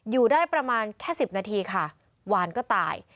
อยู่ได้ประมาณแค่๑๐นาทีค่ะวานก็ตาย